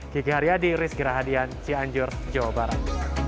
kiki haryadi rizky rahadian cianjur jawa barat